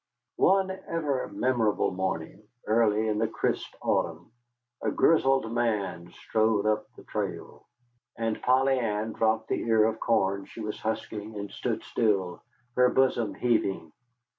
One ever memorable morning, early in the crisp autumn, a grizzled man strode up the trail, and Polly Ann dropped the ear of corn she was husking and stood still, her bosom heaving.